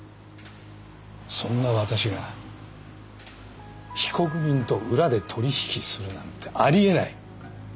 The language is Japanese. そんな私が被告人と裏で取り引きするなんてありえない！